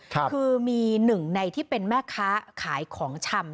คือมีหนึ่งในที่เป็นแม่ค้าขายของชำ